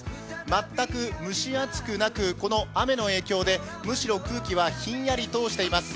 全く蒸し暑くなくこの雨の影響で、むしろ空気はひんやりとしています。